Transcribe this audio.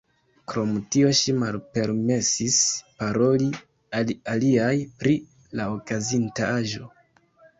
Krom tio ŝi malpermesis paroli al aliaj pri la okazintaĵo.